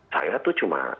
saya tuh cuma